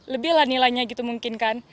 lebih lah nilainya gitu mungkin kan